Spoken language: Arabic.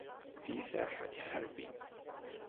في ساحة حربِ